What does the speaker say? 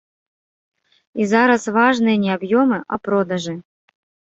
І зараз важныя не аб'ёмы, а продажы.